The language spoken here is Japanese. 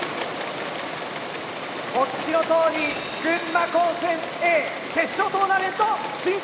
お聞きのとおり群馬高専Ａ決勝トーナメント進出！